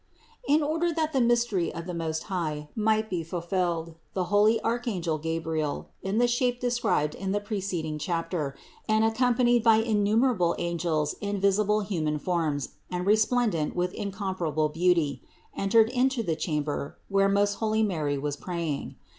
131. In order that the mystery of the Most High might be fulfilled, the holy archangel Gabriel, in the shape described in the preceding chapter and accom panied by innumerable angels in visible human forms and resplendent with incomparable beauty, entered into the chamber, where most holy Mary was praying.